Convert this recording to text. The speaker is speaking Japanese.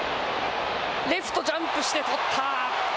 レフト、ジャンプして取った。